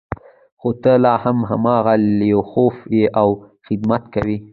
خو ته لا هم هماغه لیاخوف یې او خدمت کوې